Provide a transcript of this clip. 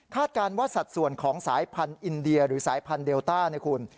การว่าสัดส่วนของสายพันธุ์อินเดียหรือสายพันธุเดลต้าเนี่ยคุณ